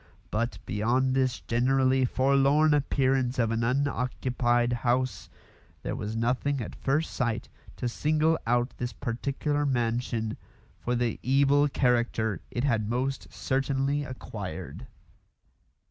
But, beyond this generally forlorn appearance of an unoccupied house, there was nothing at first sight to single out this particular mansion for the evil character it had most certainly acquired.